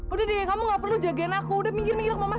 udah deh kamu nggak perlu jagain aku udah minggir minggir aku sama mama